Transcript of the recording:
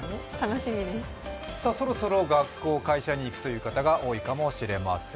そろそろ学校、会社に行くという方が多いかもしれません。